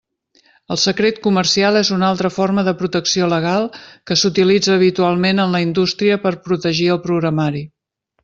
El secret comercial és una altra forma de protecció legal que s'utilitza habitualment en la indústria per protegir el programari.